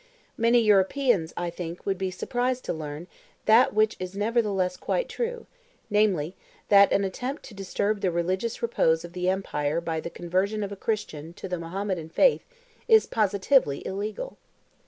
Many Europeans, I think, would be surprised to learn that which is nevertheless quite true, namely, that an attempt to disturb the religious repose of the empire by the conversion of a Christian to the Mahometan faith is positively illegal.